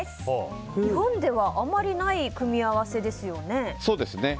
日本ではあまりない組み合わせですよね。